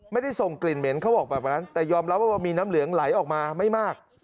ไม่ได้ส่งกลิ่นเหม็นเขาบอกแบบนั้นแต่ยอมรับว่ามีน้ำเหลืองไหลออกมาไม่มาก